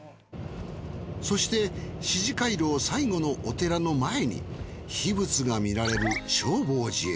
そして四寺廻廊最後のお寺の前に秘仏が見られる正法寺へ。